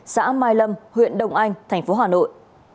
xã mai lâm huyện đông anh tp hà nội